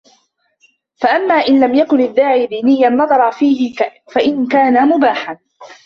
فَأَمَّا إنْ لَمْ يَكُنْ الدَّاعِي دِينِيًّا نَظَرَ فِيهِ فَإِنْ كَانَ مُبَاحًا